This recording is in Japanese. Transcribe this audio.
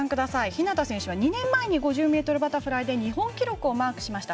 日向選手は２年前に５０ｍバタフライで日本記録を更新しました。